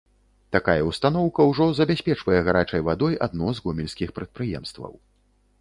Такая ўстаноўка ўжо забяспечвае гарачай вадой адно з гомельскіх прадпрыемстваў.